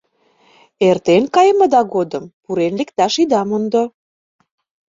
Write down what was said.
Эртен кайымыда годым пурен лекташ ида мондо.